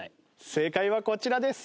正解はこちらです。